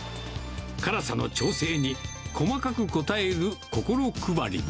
辛さの調整に細かく応える心配りも。